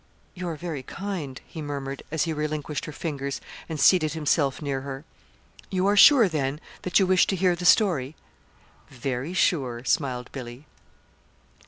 "You are very kind," he murmured, as he relinquished her fingers and seated himself near her. "You are sure, then, that you wish to hear the story?" "Very sure," smiled Billy.